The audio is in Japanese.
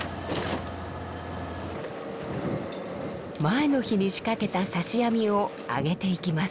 前の日に仕掛けた刺し網を上げていきます。